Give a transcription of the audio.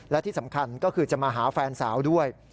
และที่สำคัญก็คือจะมาหาแฟนสาวด้วย